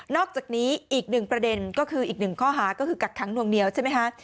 อกจากนี้อีกหนึ่งประเด็นก็คืออีกหนึ่งข้อหาก็คือกักขังนวงเหนียวใช่ไหมคะ